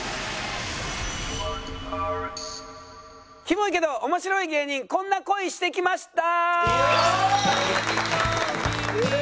キモイけど面白い芸人こんな恋してきました！